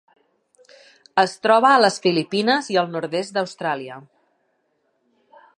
Es troba a les Filipines i el nord-oest d'Austràlia.